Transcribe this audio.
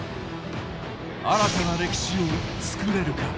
新たな歴史を作れるか。